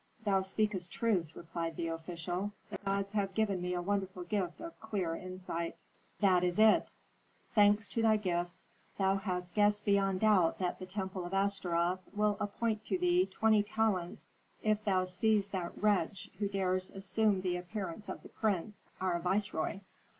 "Thou speakest truth," replied the official. "The gods have given me a wonderful gift of clear insight." "That is it; thanks to thy gifts, thou hast guessed beyond doubt that the temple of Astaroth will appoint to thee twenty talents if thou seize that wretch who dares assume the appearance of the prince, our viceroy.